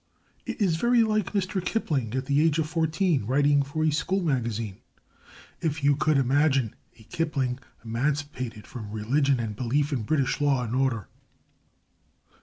It is very like Mr Kipling at the age of fourteen writing for a school magazine, if you could imagine a Kipling emancipated from religion and belief in British law and order.